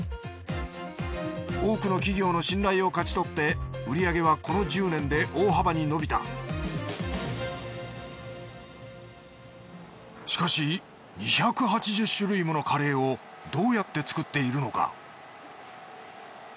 多くの企業の信頼を勝ち取って売り上げはこの１０年で大幅に伸びたしかし２８０種類ものカレーをどうやって作っているのか？